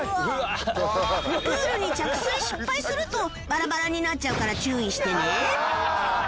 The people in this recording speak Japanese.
プールに着水失敗するとバラバラになっちゃうから注意してね